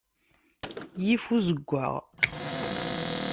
Yif uzeggaɣ.